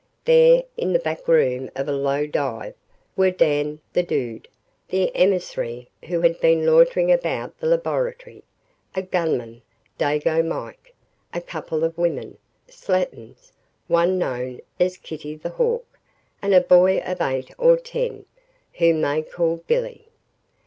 There, in the back room of a low dive, were Dan the Dude, the emissary who had been loitering about the laboratory, a gunman, Dago Mike, a couple of women, slatterns, one known as Kitty the Hawk, and a boy of eight or ten, whom they called Billy.